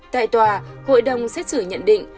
tại tòa hội đồng xét xử nhận định